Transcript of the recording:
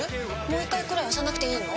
もう１回くらい押さなくていいの？